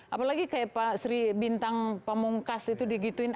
apalagi kayak pak sri bintang pamungkas itu digituin